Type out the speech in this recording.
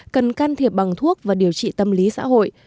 cần can thiệp bằng thuốc và điều trị tâm lý xã hội